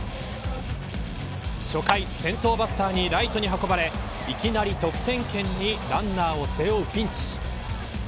初回先頭バッターにライトに運ばれいきなり得点圏にランナーを背負うピンチ。